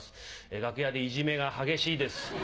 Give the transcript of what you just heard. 楽屋でいじめが激しいです。